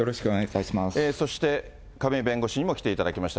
そして亀井弁護士にも来ていただきました。